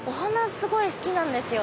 すごい好きなんですよ